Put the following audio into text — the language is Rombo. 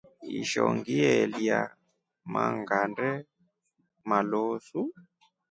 Ishoo nʼgielya mangʼande maloosu.